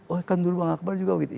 oh kan dulu bang akbar juga begitu